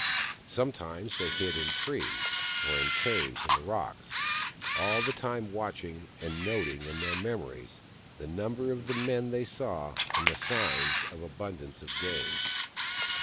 Sometimes they hid in trees, or in caves in the rocks, all the time watching, and noting in their memories the number of the men they saw and the signs of abun dance of game.